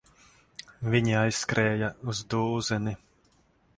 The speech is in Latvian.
Viņi aizskrēja uz dūzeni.